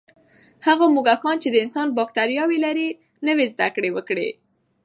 هغه موږکان چې د انسان بکتریاوې لري، نوې زده کړې وکړې.